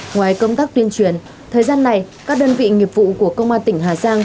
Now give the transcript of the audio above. ngoài công tác tuyên truyền thời gian này các đơn vị nghiệp vụ của công an tỉnh hà giang